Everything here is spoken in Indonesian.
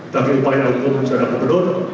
tapi upaya hukum secara gubernur